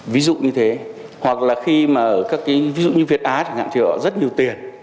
ví dụ như thế hoặc là khi mà ở các cái ví dụ như việt á chẳng hạn thì họ rất nhiều tiền